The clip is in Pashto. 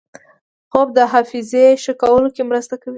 خوب د حافظې ښه کولو کې مرسته کوي